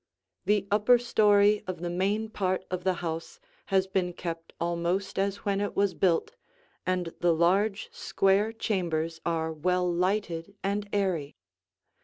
The upper story of the main part of the house has been kept almost as when it was built, and the large square chambers are well lighted and airy.